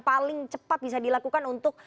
paling cepat bisa dilakukan untuk